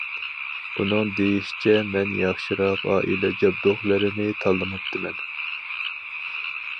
ئۇنىڭ دېيىشىچە مەن ياخشىراق ئائىلە جابدۇقلىرىنى تاللىماپتىمەن.